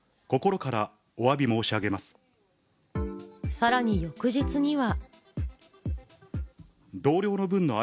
さらに翌日には。